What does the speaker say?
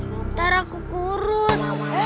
nanti aku kurut